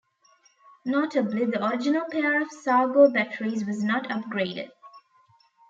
Notably, the original pair of Sargo batteries was not upgraded.